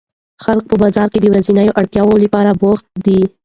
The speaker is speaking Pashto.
خلک په بازار کې د ورځنیو اړتیاوو لپاره بوخت دي